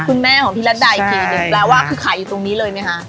คุณแม่ของพี่รัฐดาอีกทีหนึ่งแปลว่าคือขายอยู่ตรงนี้เลยไหมคะ